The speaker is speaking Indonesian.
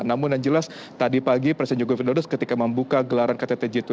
namun yang jelas tadi pagi presiden joko widodo ketika membuka gelaran ktt g dua puluh